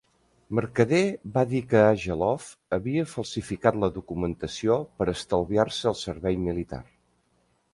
Mercader va dir que Ageloff havia falsificat la documentació per estalviar-se el servei militar.